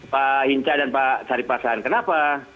pak hinca dan pak sarip hasan kenapa